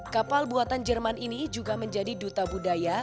kapal buatan jerman ini juga menjadi duta budaya